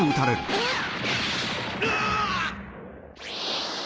うわっ！